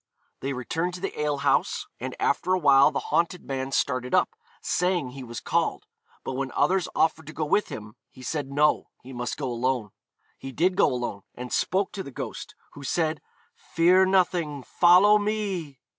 They returned to the ale house, and after a while the haunted man started up, saying he was called, but when others offered to go with him he said no, he must go alone. He did go alone, and spoke to the ghost, who said, 'Fear nothing; follow me.'